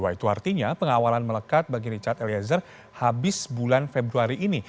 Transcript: itu artinya pengawalan melekat bagi richard eliezer habis bulan februari ini